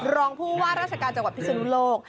รองผู้ว่าราชการจังหวัดพิศนุโลก